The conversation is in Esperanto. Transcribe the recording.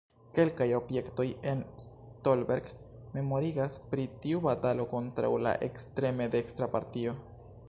Kelkaj objektoj en Stolberg memorigas pri tiu batalo kontraŭ la ekstreme dekstra partio.